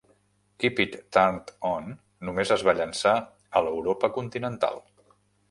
"Keep It Turned On" només es va llançar a l'Europa Continental.